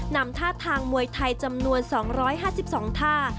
นำท่าทางมวยไทยจำนวน๒๕๒ท่า